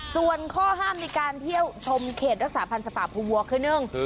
ส่วนข้อห้ามในการเที่ยวชมเขตรักษาภัณฑ์สภาพภูวะคือหนึ่ง